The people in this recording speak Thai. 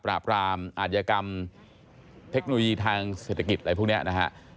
รามอาธิกรรมเทคโนโลยีทางเศรษฐกิจอะไรพวกนี้นะฮะ